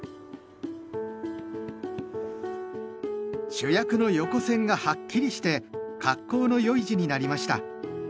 主役の横線がはっきりして格好の良い字になりました。